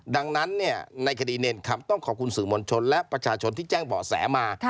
ดังนั้นในคดีเนรคำต้องขอบคุณสื่อมวลชนและประชาชนที่แจ้งเบาะแสมา